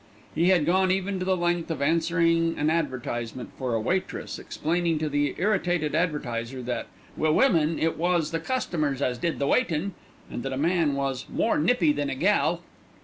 He had gone even to the length of answering an advertisement for a waitress, explaining to the irritated advertiser that "wi' women it was the customers as did the waitin'," and that a man was "more nippy than a gal."